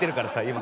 今。